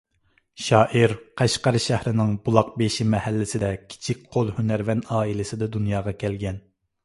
شائىر قەشقەر شەھىرىنىڭ بۇلاقبېشى مەھەللىسىدە كىچىك قول ھۈنەرۋەن ئائىلىسىدە دۇنياغا كەلگەن.